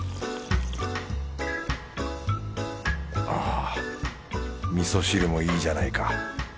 ああ味噌汁もいいじゃないか。